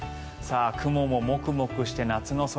雲もモクモクして夏の空。